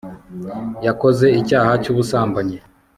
yakoze icyaha cy'ubusambanyi